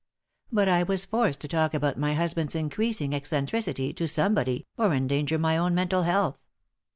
But I was forced to talk about my husband's increasing eccentricity to somebody, or endanger my own mental health.